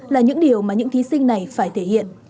là những điều mà những thí sinh này phải thể hiện